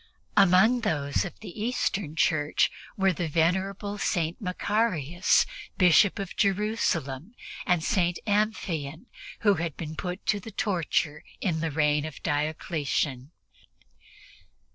Among those of the Eastern Church were the venerable St. Macarius, Bishop of Jerusalem, and St. Amphion, who had been put to the torture in the reign of Diocletian.